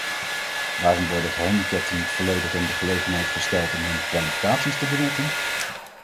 Waarom worden gehandicapten niet volledig in de gelegenheid gesteld om hun kwalificaties te benutten?